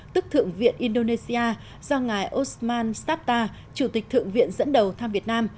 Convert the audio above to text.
tức thượng viện indonesia do ngài osman safta chủ tịch thượng viện dẫn đầu thăm việt nam